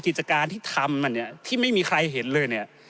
กิจการที่ทำมาเนี่ยที่ไม่มีใครเห็นเลยเนี่ย